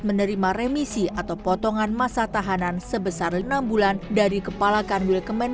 menerima remisi atau potongan masa tahanan sebesar enam bulan dari kepalakan wilkemen